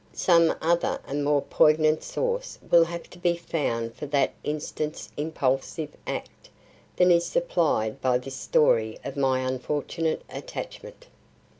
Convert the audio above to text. Some other and more poignant source will have to be found for that instant's impulsive act than is supplied by this story of my unfortunate attachment."